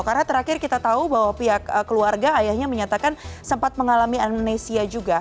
karena terakhir kita tahu bahwa pihak keluarga ayahnya menyatakan sempat mengalami amnesia juga